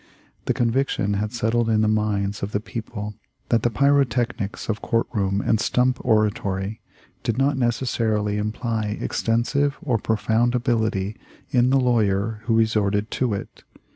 The conviction had settled in the minds of the people that the pyrotechnics of court room and stump oratory did not necessarily imply extensive or profound ability in the lawyer who resorted to it.